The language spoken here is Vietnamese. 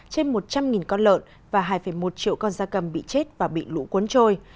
trên một trăm linh con lợn và hai một triệu con da cầm bị chết và bị lũ cuốn trôi